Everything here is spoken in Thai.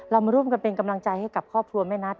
มาร่วมกันเป็นกำลังใจให้กับครอบครัวแม่นัท